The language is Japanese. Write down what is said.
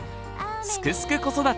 「すくすく子育て」